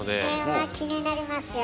これは気になりますよ。